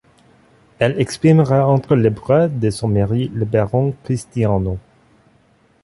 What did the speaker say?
Elle expirera entre les bras de son mari, le baron Cristiano.